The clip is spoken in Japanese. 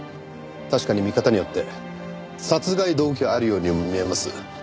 確かに見方によって殺害動機があるようにも見えます。